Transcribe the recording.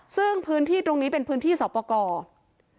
ซึ่งพื้นที่ตรงนี้เป็นพื้นที่สอบประกอบ